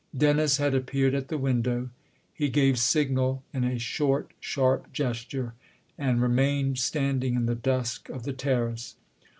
Dennis had appeared at the window ; he gave signal in a short, sharp gesture and remained standing in the dusk of the terrace.